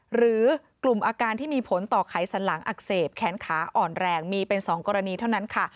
หรือกลุ่มอาการที่มีผลต่อไขสันหลังอักเสบแขนขาอ่อนแรงมีเป็น๒กรณีเท่านั้นค่ะ